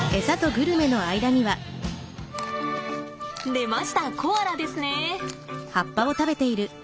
出ましたコアラですね。